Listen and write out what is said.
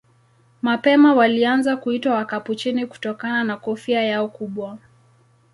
Mapema walianza kuitwa Wakapuchini kutokana na kofia yao kubwa.